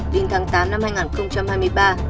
đến tháng tám năm hai nghìn hai mươi ba